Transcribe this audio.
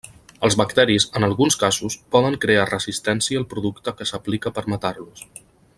Els bacteris en alguns casos poden crear resistència al producte que s'aplica per matar-los.